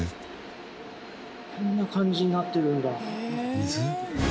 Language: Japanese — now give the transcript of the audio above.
水？